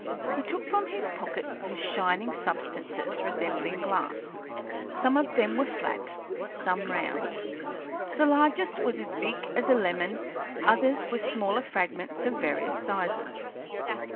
He took from his pocket some shining substances resembling glass. Some of them were flat, some round; the largest was as big as a lemon, others were smaller fragments of various sizes.